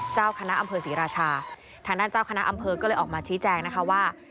เจ้าคณะอำเภอศรีราชาทางด้านเจ้าคณะอำเภอก็เลยออกมาชี้แจงนะคะว่า